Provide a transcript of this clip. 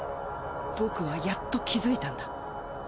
僕はやっと気づいたんだ。